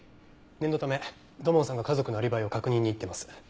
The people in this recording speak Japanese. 念のため土門さんが家族のアリバイを確認に行ってます。